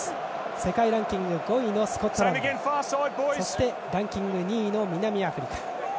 世界ランキング５位のスコットランドそして、ランキング２位の南アフリカ。